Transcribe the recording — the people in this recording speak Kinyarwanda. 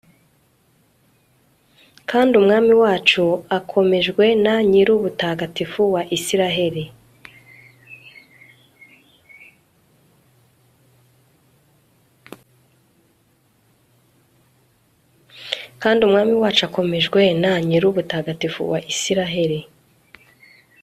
kandi umwami wacu akomejwe na nyir'ubutagatifu wa israheli